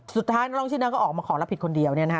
สุดท้ายนักลงชีวิตนั้นก็ออกมาขอรับผิดคนเดียวนี่นะคะ